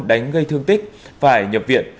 đánh gây thương tích phải nhập viện